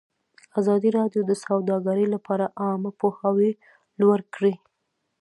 ازادي راډیو د سوداګري لپاره عامه پوهاوي لوړ کړی.